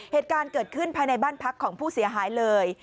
เหตุการณ์เกิดขึ้นภายในบ้านพักของผู้เสียหายเลย